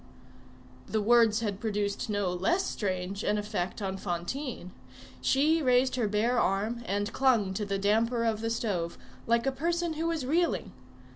The words had produced no less strange an effect on Fantine. She raised her bare arm, and clung to the damper of the stove, like a person who is reeling.